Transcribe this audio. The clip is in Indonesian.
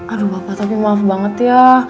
aduh bapak tapi maaf banget ya